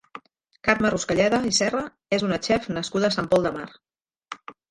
Carme Ruscalleda i Serra és una chef nascuda a Sant Pol de Mar.